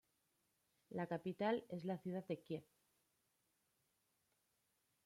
La capital es la ciudad de Kiev.